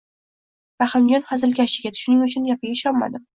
Rahimjon hazilkash yigit, shuning uchun gapiga ishonmadim: